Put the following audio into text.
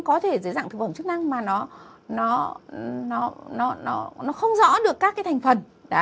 có thể dưới dạng thực phẩm chức năng mà nó không rõ được các cái thành phần